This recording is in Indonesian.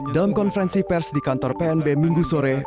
dalam konferensi pers di kantor pnb minggu sore